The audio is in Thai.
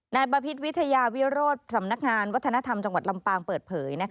นายบพิชฯวิทยาวิทยศโรษสำนคงานวัฒนธรรมจังหวัดลำบางเปิดเผย